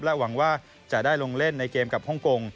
หวังว่าจะได้ลงเล่นในเกมกับฮ่องกง